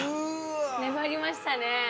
粘りましたね。